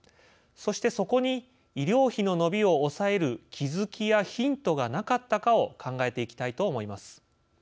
そしてそこに医療費の伸びを抑える「気づき」や「ヒント」がなかったかを考えていきたいと思います。